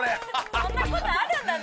そんなことあるんだね。